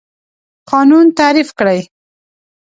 قانون تعریف کړئ.